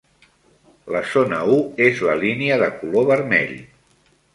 La zona u és la línia de color vermell.